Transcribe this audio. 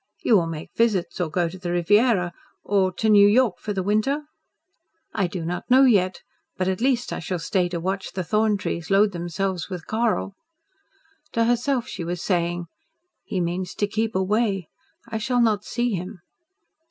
You will make visits or go to the Riviera or to New York for the winter?" "I do not know yet. But at least I shall stay to watch the thorn trees load themselves with coral." To herself she was saying: "He means to keep away. I shall not see him."